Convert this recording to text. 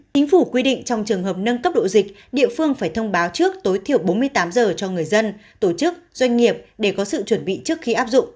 chính phủ quy định trong trường hợp nâng cấp độ dịch địa phương phải thông báo trước tối thiểu bốn mươi tám giờ cho người dân tổ chức doanh nghiệp để có sự chuẩn bị trước khi áp dụng